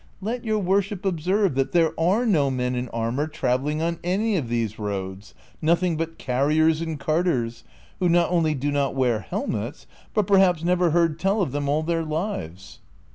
Let your worship observe that there are no men in armor trav elliug on any of these roads, nothing but carriers and carters, who not only do not wear helmets, but perhaps never heard tell of them all their lives."